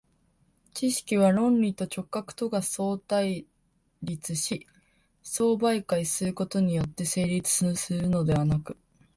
知識は論理と直覚とが相対立し相媒介することによって成立するのではなく、